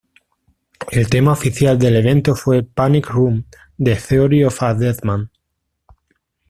El tema oficial del evento fue ""Panic Room"" de Theory of a Deadman.